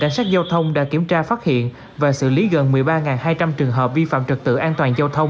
cảnh sát giao thông đã kiểm tra phát hiện và xử lý gần một mươi ba hai trăm linh trường hợp vi phạm trật tự an toàn giao thông